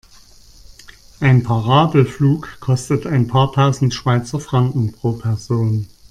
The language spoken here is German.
Ein Parabelflug kostet ein paar tausend Schweizer Franken pro Person.